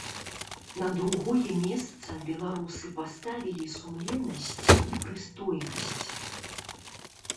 На другое месца беларусы паставілі сумленнасць і прыстойнасць.